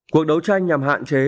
cuộc đấu tranh nhằm hạn chế